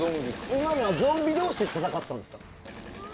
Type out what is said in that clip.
今のはゾンビ同士で戦っていたんですか？